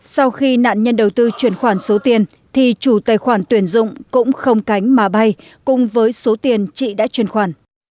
sau khi nạn nhân đầu tư chuyển khoản số tiền thì chủ tài khoản tuyển dụng cũng không cánh mà bay cùng với số tiền chị đã truyền khoản